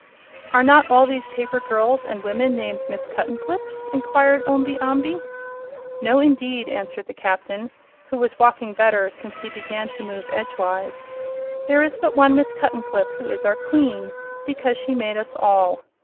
"Are not all these paper girls and women named Miss Cuttenclips?" inquired Omby Amby. "No indeed," answered the Captain, who was walking better since he began to move edgewise. "There is but one Miss Cuttenclip, who is our Queen, because she made us all.